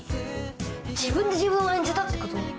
自分で自分を演じたってこと？